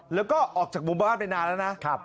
แล้วก็ออกจากหมู่บ้านไปนานแล้วนะ